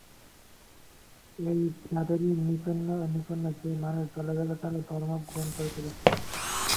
এই জাদুরই নৈপুণ্য যে, মানুষ দলে দলে তার ধর্ম গ্রহণ করে চলেছে।